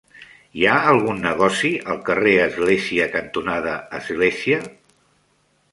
Hi ha algun negoci al carrer Església cantonada Església?